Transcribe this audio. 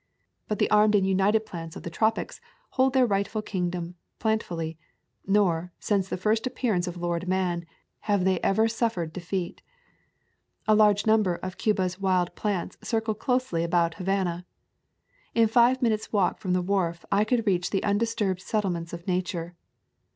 But the [ 156 ] AA Sojourn in Cuba armed and united plants of the tropics hold their rightful kingdom plantfully, nor, since the first appearance of Lord Man, have they ever suf fered defeat. A large number of Cuba's wild plants circle closely about Havana. In five minutes' walk from the wharf I could reach the undisturbed settlements of Nature.